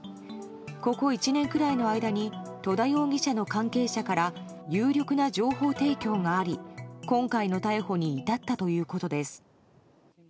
ここ１年くらいの間に戸田容疑者の関係者から有力な情報提供があり今回の逮捕に至ったということです。